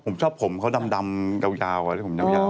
ผมชอบผมเขาดำยาวที่ผมยาว